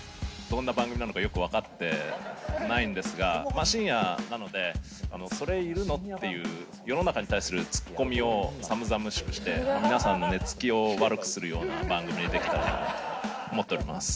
まあ深夜なのでそれいるの？っていう世の中に対するツッコミを寒々しくして皆さんの寝付きを悪くするような番組にできたらなと思っております。